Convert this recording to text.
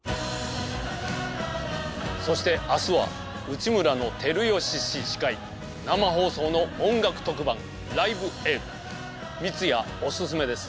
そして明日は内村の光良氏司会生放送の音楽特番三津谷おすすめです。